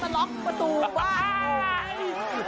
มาตรู